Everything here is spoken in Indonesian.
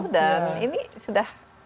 dan ini sudah